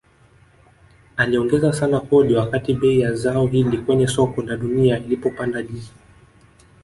Aliongeza sana kodi wakati bei ya zao hili kwenye soko la dunia ilipopanda juu